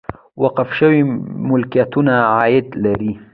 وقف شوي ملکیتونه عاید لري